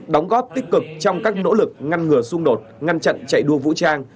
đóng góp tích cực trong các nỗ lực ngăn ngừa xung đột ngăn chặn chạy đua vũ trang